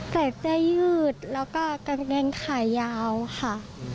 ใส่เสื้อยืดแล้วก็กางเกงขายาวค่ะ